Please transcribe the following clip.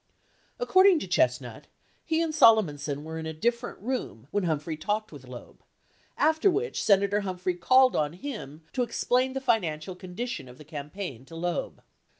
According to Chestnut, he and Solomonson were in a different room when Humphrey talked with Loeb, after which Senator Humphrey called on him to explain the financial condition of the campaign to Loeb.